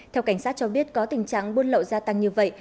theo cảnh sát cho biết có tình trạng buôn lậu gia tăng như vậy